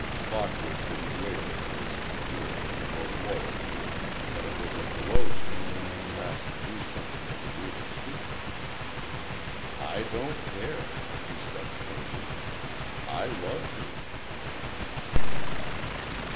Lockwood didn't waver in his fealty or loyalty but it was a blow to learn that Trask knew something of Anita's secrets. "I don't care," he said, firmly, "I love you."